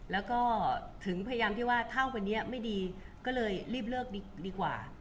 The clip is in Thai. แล้วก็ถึงพยายามที่ว่าถ้าวันนี้ไม่ดีก็เลยรีบเลิกดีกว่า